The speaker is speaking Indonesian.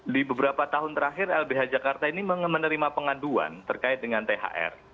di beberapa tahun terakhir lbh jakarta ini menerima pengaduan terkait dengan thr